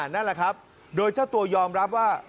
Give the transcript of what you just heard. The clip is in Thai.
นั่นแหละครับโดยเจ้าตัวยอมรับว่า